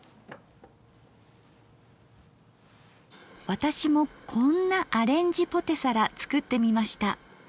私もこんなアレンジポテサラ作ってみました。